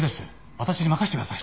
私に任せてください。